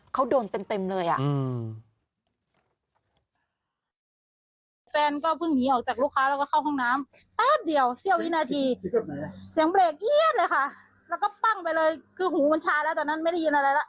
เขาโดนเต็มเลย